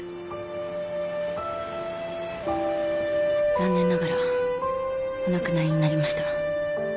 残念ながらお亡くなりになりました。